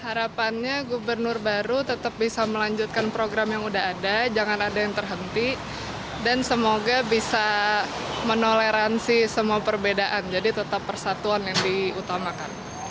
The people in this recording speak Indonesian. harapannya gubernur baru tetap bisa melanjutkan program yang udah ada jangan ada yang terhenti dan semoga bisa menoleransi semua perbedaan jadi tetap persatuan yang diutamakan